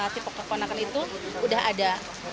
tipu keponakan itu sudah ada